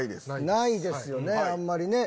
ないですよねあんまりね。